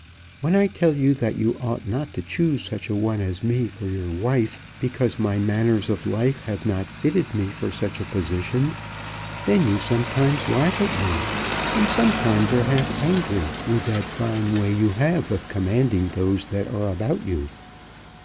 When I tell you that you ought not to choose such a one as me for your wife because my manners of life have not fitted me for such a position, then you sometimes laugh at me, and sometimes are half angry, with that fine way you have of commanding those that are about you.